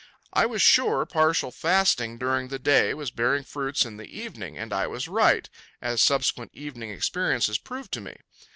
I was sure partial fasting during the day was bearing fruits in the evening, and I was right, as subsequent evening experiences proved to me.